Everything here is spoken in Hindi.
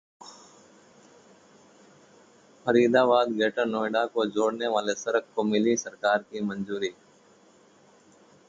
फरीदाबाद, ग्रेटर नोएडा को जोड़ने वाले सड़क को मिली सरकार की मंजूरी